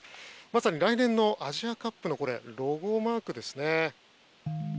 まさに来年のアジアカップのロゴマークですね。